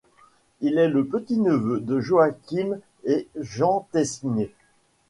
Il est le petit-neveu de Joachim et Jean Taisnier.